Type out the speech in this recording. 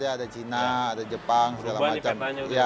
ada cina ada jepang segala macam